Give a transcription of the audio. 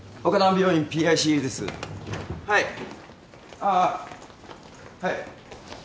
ああはい。